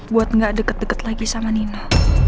buat gak deket deket lagi sama nina